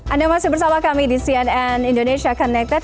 anda masih bersama kami di cnn indonesia connected